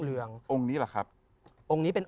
พระพุทธพิบูรณ์ท่านาภิรม